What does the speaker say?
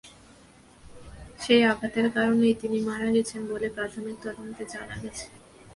সেই আঘাতের কারণেই তিনি মারা গেছেন বলে প্রাথমিক তদন্তে জানা গেছে।